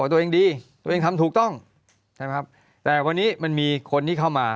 ตัวเองดีตัวเองทำถูกต้องใช่ไหมครับแต่วันนี้มันมีคนที่เข้ามา